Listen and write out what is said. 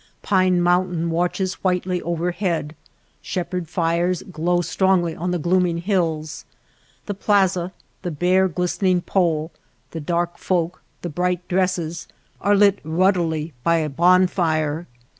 Pine Mountain watches whitely overhead, shepherd fires glow strongly on the glooming hills. The plaza, the bare glistening pole, the dark folk, the bright dresses, are lit ruddily by a bonfire.